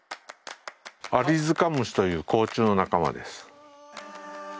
アリヅカムシという甲虫の仲間です。